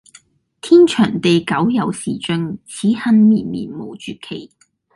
天長地久有時盡，此恨綿綿無絕期！